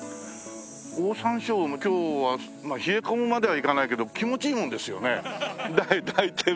オオサンショウウオも今日は冷え込むまではいかないけど気持ちいいもんですよね抱いてると。